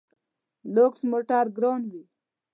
لوکس موټر ګران وي.